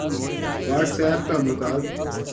what's app کا متعد